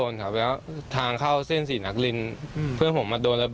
อเจมส์แล้วหนึ่งในนั้นแหละยิงเหรอครับ